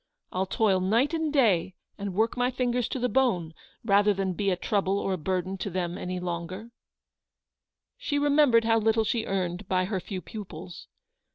I'll toil night and day, and work my fingers to the bone, rather than be a trouble or a burden to them any longer/' She remembered how little she earned by her lew pupils.